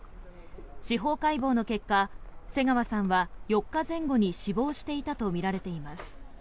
司法解剖の結果、瀬川さんは４日前後に死亡していたとみられています。